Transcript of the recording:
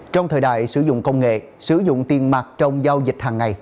trong thời đại sử dụng công nghệ sử dụng tiền mặt trong giao dịch hàng ngày